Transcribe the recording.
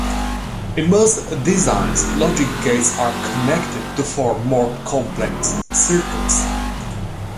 In most designs, logic gates are connected to form more complex circuits.